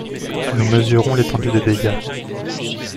Nous mesurons l’étendue des dégâts.